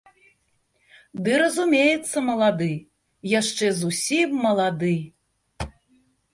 Ды, разумеецца, малады, яшчэ зусім малады!